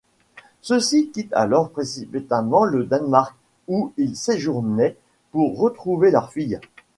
Ceux-ci quittent alors précipitamment le Danemark, où ils séjournaient, pour retrouver leur fille.